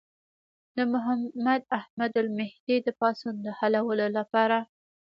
د محمد احمد المهدي د پاڅون د حلولو لپاره.